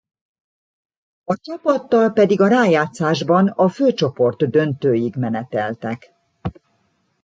A csapattal pedig a rájátszásban a főcsoport döntőig meneteltek.